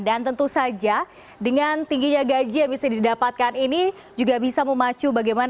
dan tentu saja dengan tingginya gaji yang bisa didapatkan ini juga bisa memacu bagaimana